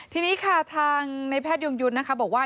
ทีนี้ค่ะทางนายแพทยุงยุนนะครับบอกว่า